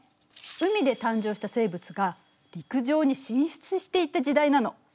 海で誕生した生物が陸上に進出していった時代なの。